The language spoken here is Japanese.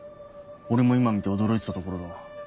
俺も今見て驚いてたところだ。